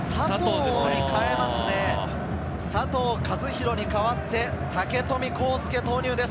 佐藤和弘に代わって武富孝介、投入です。